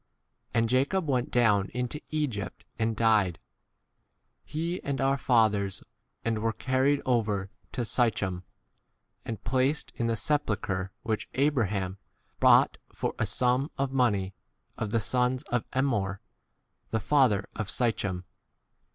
And Jacob went down into Egypt and died, he and our fathers, 16 and were carried over to Sychem and placed in the sepulchre which Abraham bought for a sum of money of the sons of Emmor the 17 [father] of Sychem.